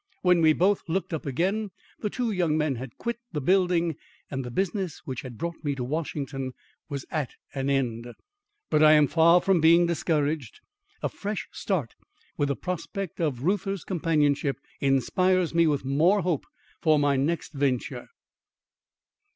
When we both looked up again the two young men had quit the building and the business which had brought me to Washington was at an end. But I am far from being discouraged. A fresh start with the prospect of Reuther's companionship, inspires me with more hope for my next venture.